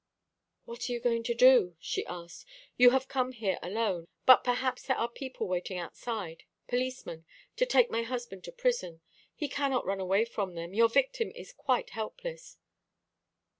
"What are you going to do?" she asked. "You have come here alone; but perhaps there are people waiting outside policemen, to take my husband to prison. He cannot run away from them; your victim is quite helpless."